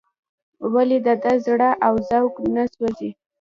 ولې د ده زړه او ذوق نه سوزي.